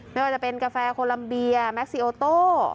ไม่ว่าจะเป็นกาแฟโคลัมเบียแม็กซิโอโต้